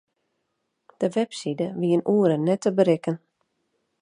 De webside wie in oere net te berikken.